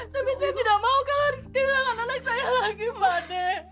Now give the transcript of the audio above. tapi saya tidak mau kalau harus kehilangan anak saya lagi mbak nek